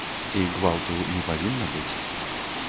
І гвалту не павінна быць.